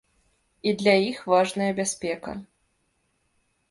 І для іх важная бяспека.